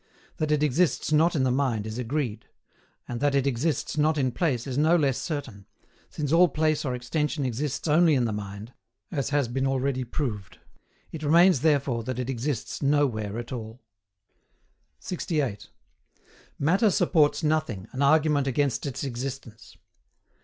That it exists not in the mind is agreed; and that it exists not in place is no less certain since all place or extension exists only in the mind, as has been already proved. It remains therefore that it exists nowhere at all. 68. MATTER SUPPORTS NOTHING, AN ARGUMENT AGAINST ITS EXISTENCE.